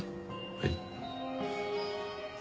はい。